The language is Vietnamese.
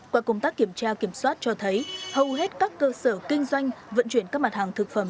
qua công tác kiểm tra kiểm soát cho thấy hầu hết các cơ sở kinh doanh vận chuyển các mặt hàng thực phẩm